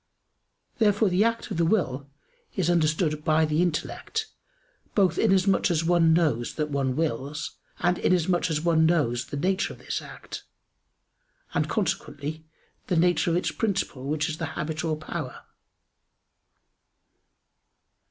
Therefore the act of the will is understood by the intellect, both inasmuch as one knows that one wills; and inasmuch as one knows the nature of this act, and consequently, the nature of its principle which is the habit or power.